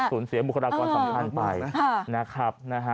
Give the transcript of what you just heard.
สูญเสียบุคลากรสำหรับท่านไปนะครับ